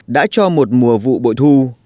đã cho một mùa vụ bội thu